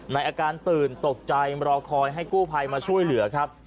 อาการตื่นตกใจรอคอยให้กู้ภัยมาช่วยเหลือครับ